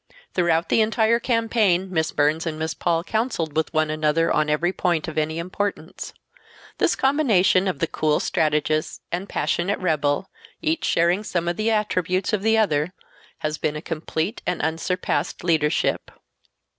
Throughout the entire campaign Miss Burns and Miss Paul counseled with one another on every point of any importance. This combination of the cool strategist and passionate rebel—each sharing some of the attributes of the other has been a complete and unsurpassed leadership.